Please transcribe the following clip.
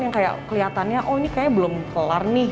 yang kayak kelihatannya oh ini kayaknya belum kelar nih